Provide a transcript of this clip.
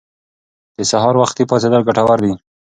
د سهار وختي پاڅیدل ګټور دي.